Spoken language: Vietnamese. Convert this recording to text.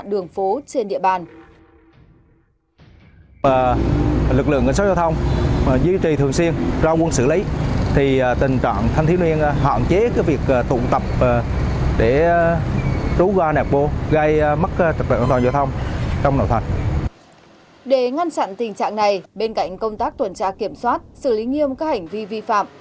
để ngăn chặn tình trạng này bên cạnh công tác tuần tra kiểm soát xử lý nghiêm các hành vi vi phạm